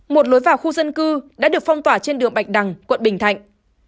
một lối vào khu dân cư đã được phong tỏa trên đường bạch đằng quận bình thạnh